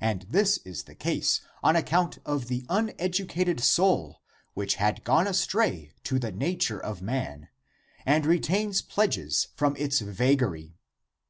And this is the case on account of the uneducated soul which had gone astray to the nature of man and retains pledges from its vagary.